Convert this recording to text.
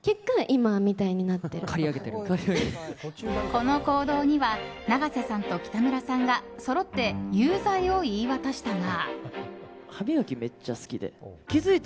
この行動には永瀬さんと北村さんがそろって有罪を言い渡したが。